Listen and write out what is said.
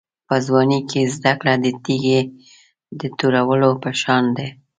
په ځوانۍ کې زده کړه د تېږې د توږلو په شان ده.